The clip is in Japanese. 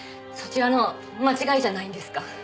そちらの間違いじゃないんですか？